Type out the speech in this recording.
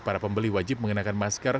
para pembeli wajib mengenakan masker